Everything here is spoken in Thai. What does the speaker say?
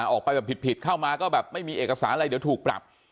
ออกไปแบบผิดเข้ามาก็แบบไม่มีเอกสารอะไรเดี๋ยวถูกปรับ